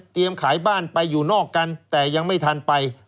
ขายบ้านไปอยู่นอกกันแต่ยังไม่ทันไป